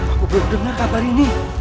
aku belum dengar kabar ini